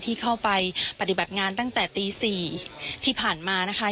ที่เข้าไปปฏิบัติงานตั้งแต่ตี๔ที่ผ่านมานะคะ